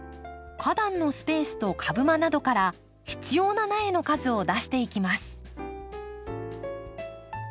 花壇のスペースと株間などから必要な苗の数を出していきます。